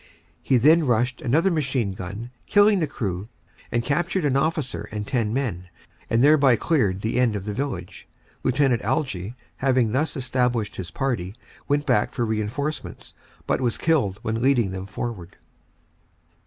He then rushed another machine gun, killed the crew and captured an officer and 10 men, and thereby cleared the end of the village. Lieut. Algie, having thus established his party, went back for reinforcements, but was killed when leading them forward.